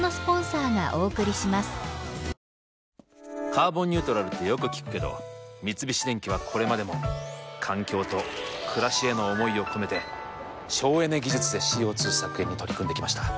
「カーボンニュートラル」ってよく聞くけど三菱電機はこれまでも環境と暮らしへの思いを込めて省エネ技術でＣＯ２削減に取り組んできました。